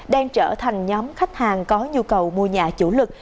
đang trở thành nhóm khách hàng có nhu cầu mua nhà chủ lực